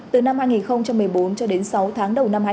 từ năm hai nghìn một mươi bốn cho đến sáu tháng đầu